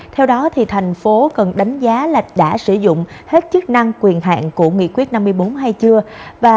theo đó thành phố cần đánh giá là đã sử dụng hết chức năng quyền hạn của nghị quyết năm mươi bốn hay chưa